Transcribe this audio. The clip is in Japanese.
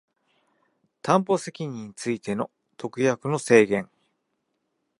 担保責任についての特約の制限